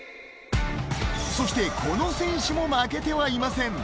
そしてこの選手も負けてはいません。